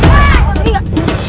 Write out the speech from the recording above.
eh sini gak